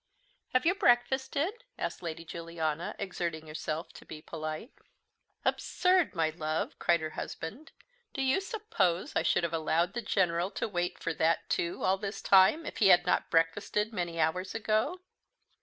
"Have you breakfasted?" asked Lady Juliana, exerting herself to be polite. "Absurd, my love!" cried her husband. "Do you suppose I should have allowed the General to wait for that too all this time, if he had not breakfasted many hours ago?"